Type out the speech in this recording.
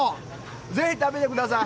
ぜひ食べてください。